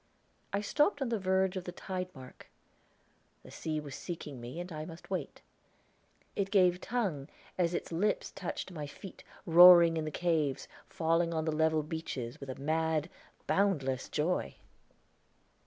I stopped on the verge of the tide mark; the sea was seeking me and I must wait. It gave tongue as its lips touched my feet, roaring in the caves, falling on the level beaches with a mad, boundless joy!